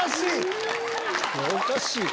おかしいな。